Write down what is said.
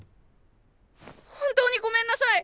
本当にごめんなさい！